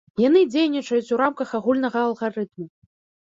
Яны дзейнічаюць у рамках агульнага алгарытму.